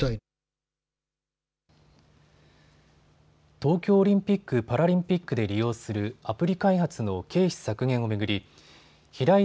東京オリンピック・パラリンピックで利用するアプリ開発の経費削減を巡り平井